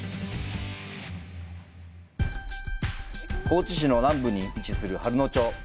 高知市の南部に位置する春野町。